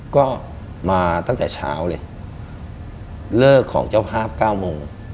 ก็มาตั้งแต่เช้าเลยเลิกของเจ้าภาพ๙โมง